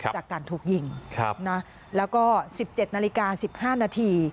จากการถูกยิงแล้วก็๑๗นาฬิกา๑๕นาที